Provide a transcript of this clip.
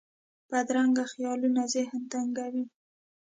بدرنګه خیالونه ذهن تنګوي